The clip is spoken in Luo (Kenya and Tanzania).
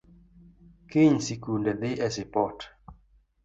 Kiny sikunde dhi e sipot